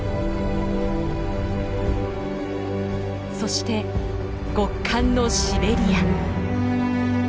そして極寒のシベリア。